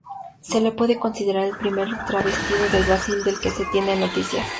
Se le puede considerar el primer travestido del Brasil del que se tiene noticias.